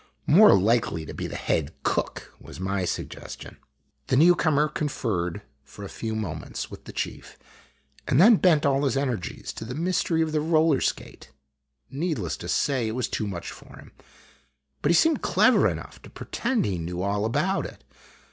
" More likely to be the head cook," was my suggestion. The new comer conferred for a few moments with the chief, and then bent all his energies to the mystery of the roller skate. Need 20 IMAGINOTIONS less to say, it was too much for him. But he seemed clever enough to pretend he knew all about it.